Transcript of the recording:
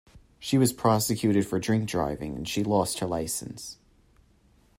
She was prosecuted for drink-driving, and she lost her licence